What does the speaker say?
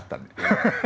ハハハッ！